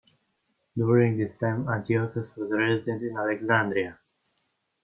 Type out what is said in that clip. During this time, Antiochus was resident in Alexandria.